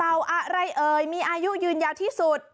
อะไรเอ่ยมีอายุยืนยาวที่สุด